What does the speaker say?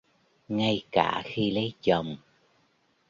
Ngay cả khi lấy chồng